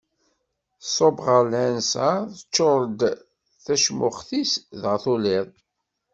Tṣubb ɣer lɛinseṛ, teččuṛ-d tacmuxt-is dɣa tuli-d.